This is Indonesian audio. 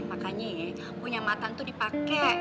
makanya punya matan tuh dipake